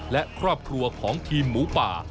และครอบครัวของทีมหมูป่า